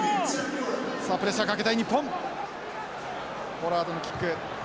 ポラードのキック。